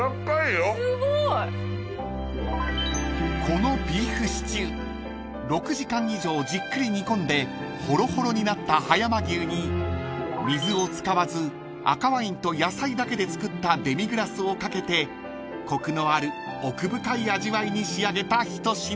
［このビーフシチュー６時間以上じっくり煮込んでほろほろになった葉山牛に水を使わず赤ワインと野菜だけで作ったデミグラスを掛けてコクのある奥深い味わいに仕上げた一品］